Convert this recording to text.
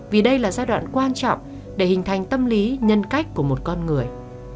vì đây là giai đoạn quan trọng để hình thành tâm lý nhân cách của một con người